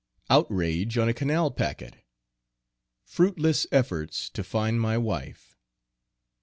Outrage on a canal packet. Fruitless efforts to find my wife.